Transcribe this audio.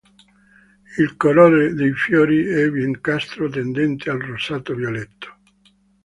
Il colore dei fiori è biancastro tendente al rosato-violetto.